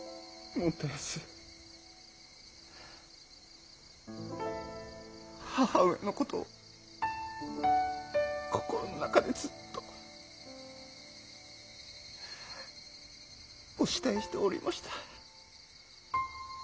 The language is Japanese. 元康母上のことを心の中でずっとお慕いしておりました。